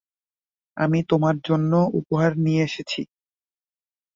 আমি তোমার জন্য উপহার নিয়ে এসেছি।